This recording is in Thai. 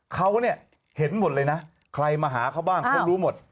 เขาเนี่ยเห็นหมดเลยนะใครมาหาเขาบ้างเขารู้หมด